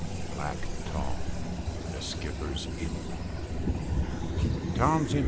BLACK TOM, THE SKIPPER'S IMP.